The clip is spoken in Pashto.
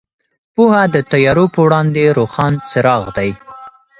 پوهه د تیارو پر وړاندې روښان څراغ دی.